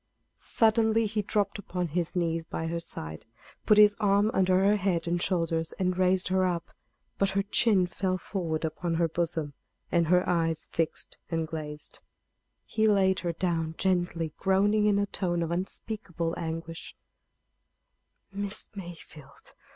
Suddenly he dropped upon his knees by her side, put his arm under her head and shoulders and raised her up; but her chin fell forward upon her bosom, and her eyes fixed and glazed. He laid her down gently, groaning in a tone of unspeakable anguish: "Miss Mayfield!